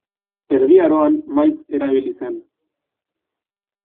Erdi Aroan maiz erabili zen.